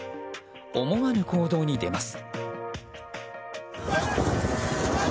思わぬ行動に出ます。